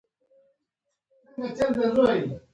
د اوبو سطحه تل افقي وي.